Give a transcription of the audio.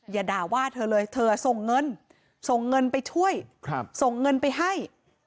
อย่าด่าว่าเธอเลยเธอส่งเงินส่งเงินไปช่วยส่งเงินไปให้